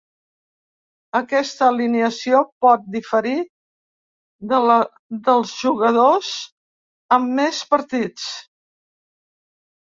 Aquesta alineació pot diferir de la dels jugadors amb més partits.